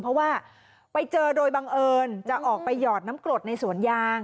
เพราะว่าไปเจอโดยบังเอิญจะออกไปหยอดน้ำกรดในสวนยาง